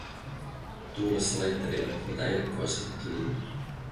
Tuulessa lentelivät mitä erikoisemmat linnut.